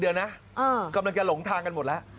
เดี๋ยวนะกำลังจะหลงทางกันหมดแล้ว